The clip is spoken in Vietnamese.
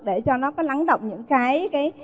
để cho nó có lắng động những cái